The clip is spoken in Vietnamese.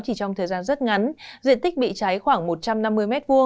chỉ trong thời gian rất ngắn diện tích bị cháy khoảng một trăm năm mươi m hai